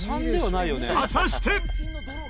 果たして。